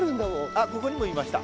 あっここにもいました。